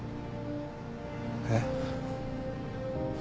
えっ？